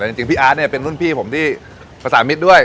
แต่จริงพี่อาร์ตเนี่ยเป็นรุ่นพี่ผมที่ภาษามิตรด้วย